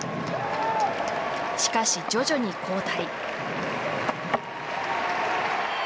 しかし、徐々に後退。